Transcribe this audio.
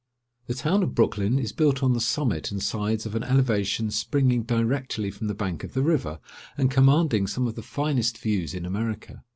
The town of Brooklyn is built on the summit and sides of an elevation springing directly from the bank of the river, and commanding some of the finest views in America.